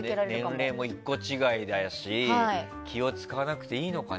年齢も１個違いだし気を使わなくていいのかね。